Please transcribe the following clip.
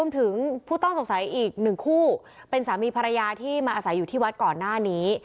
ถึงผู้ต้องสงสัยอีกหนึ่งคู่เป็นสามีภรรยาที่มาอาศัยอยู่ที่วัดก่อนหน้านี้